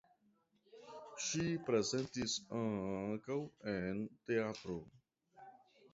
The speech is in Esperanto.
Ŝi prezentis ankaŭ en teatro.